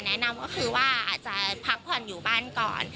แนะนำก็คือว่าอาจจะพักผ่อนอยู่บ้านก่อน